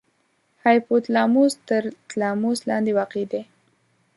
هایپو تلاموس تر تلاموس لاندې واقع دی.